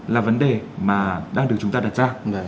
là vấn đề mà đang được chúng ta đặt ra